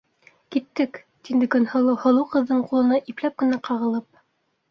Киттек, - тине Көнһылыу һылыу ҡыҙҙың ҡулына ипләп кенә ҡағылып.